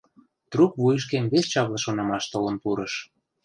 Трук вуйышкем вес чапле шонымаш толын пурыш.